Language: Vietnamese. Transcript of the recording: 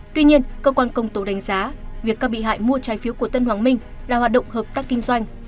tuy nhiên cơ quan công tố đánh giá việc các bị hại mua trái phiếu của tân hoàng minh là hoạt động hợp tác kinh doanh